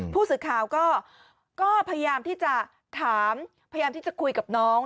ผู้สื่อข่าวก็พยายามที่จะถามพยายามที่จะคุยกับน้อง